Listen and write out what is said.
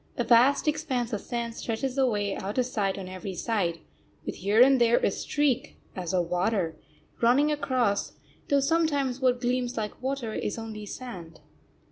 A vast expanse of sand stretches away out of sight on every side, with here and there a streak, as of water, running across, though sometimes what gleams like water is only sand.